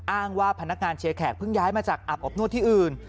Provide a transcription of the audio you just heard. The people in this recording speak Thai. อ้างว่าพนักงานเชียร์แขกเพิ่งย้ายมาจากอาบอบนวดที่อื่น